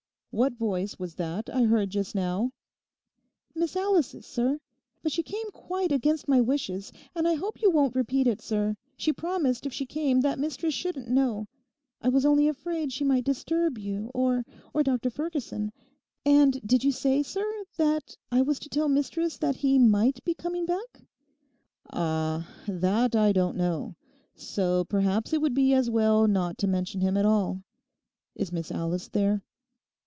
'What voice was that I heard just now?' 'Miss Alice's, sir; but she came quite against my wishes, and I hope you won't repeat it, sir. She promised if she came that mistress shouldn't know. I was only afraid she might disturb you, or—or Dr Ferguson. And did you say, sir, that I was to tell mistress that he might be coming back?' 'Ah, that I don't know; so perhaps it would be as well not to mention him at all. Is Miss Alice there?